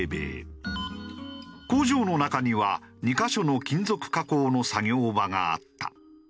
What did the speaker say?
工場の中には２カ所の金属加工の作業場があった。